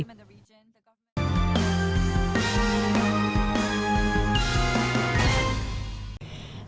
phần cuối chương trình